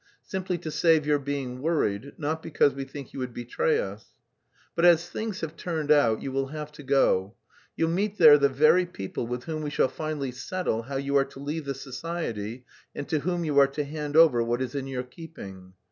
simply to save your being worried, not because we think you would betray us. But as things have turned out, you will have to go. You'll meet there the very people with whom we shall finally settle how you are to leave the society and to whom you are to hand over what is in your keeping.